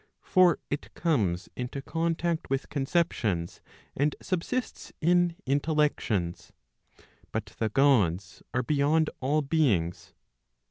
For it comes into contact with conceptions, and subsists in intellections. But the Gods are beyond all beings.